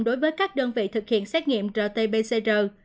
đối với các đơn vị thực hiện xét nghiệm rt pcr